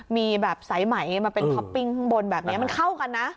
มีแบบสายไหมมาเป็นท็อปปิ้งข้างบนแบบนี้มันเข้ากันนะ